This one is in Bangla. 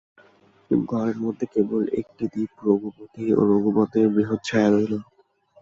ঘরের মধ্যে কেবল একটি দীপ, রঘুপতি এবং রঘুপতির বৃহৎ ছায়া রহিল।